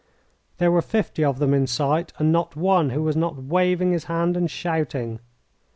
There were fifty of them in sight, and not one who was not waving his hand and shouting.